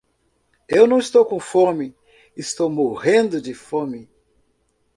Eu não estou com fome, estou morrendo de fome.